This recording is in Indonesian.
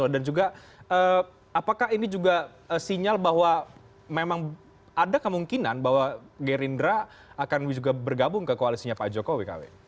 dan juga apakah ini juga sinyal bahwa memang ada kemungkinan bahwa gerindra akan juga bergabung ke koalisinya pak joko wkw